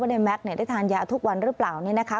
อาจจะทำให้อาการอ่ำกำเริบเนี่ยนะคะ